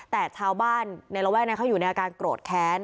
แต่ชาวบ้านในระแวกนั้นเขาอยู่ในอาการโกรธแค้น